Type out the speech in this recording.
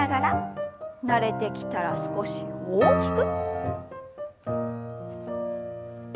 慣れてきたら少し大きく。